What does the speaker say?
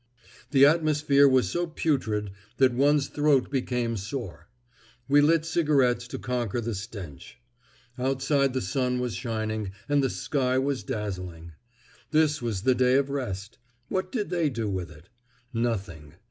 The atmosphere was so putrid that one's throat became sore. We lit cigarettes to conquer the stench. Outside the sun was shining and the sky was dazzling. This was the day of rest. What did they do with it? Nothing.